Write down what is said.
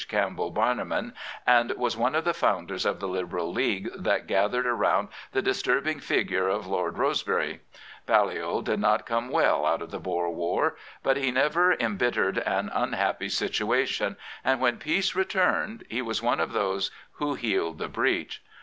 Campbell Bannerman and was one of the founders of the Liberal League that gathered around the disturbing figure of Lord Rose bery. Balliol did not come well out of the Boer War. But he never embittered an unhappy situation, and when peace returned he was one of those who healed the breach.